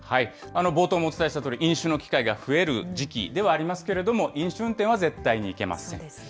冒頭もお伝えしたとおり、飲酒の機会が増える時期ではありますけれども、飲酒運転は絶対にいけません。